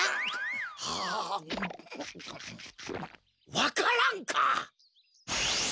わか蘭か！